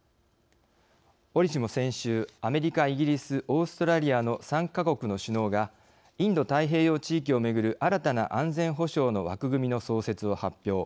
おりしも先週アメリカ、イギリスオーストラリアの３か国の首脳がインド太平洋地域をめぐる新たな安全保障の枠組みの創設を発表。